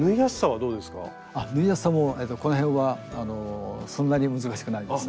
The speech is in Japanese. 縫いやすさもこのへんはそんなに難しくないです。